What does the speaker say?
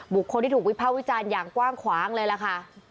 บุคคลที่ถูกวิภาควิจารณ์อย่างกว้างขวางเลยล่ะค่ะ